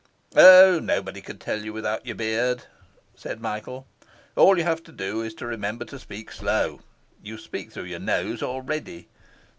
'O, nobody could tell you without your beard,' said Michael. 'All you have to do is to remember to speak slow; you speak through your nose already.